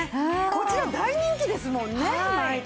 こちら大人気ですもんね毎回。